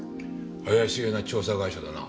怪しげな調査会社だな。